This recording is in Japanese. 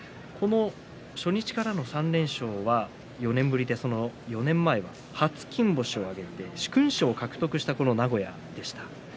初日からの３連勝は４年ぶりでその４年前は初金星を挙げて殊勲賞を獲得したこの名古屋でした。